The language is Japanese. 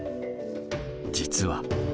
実は。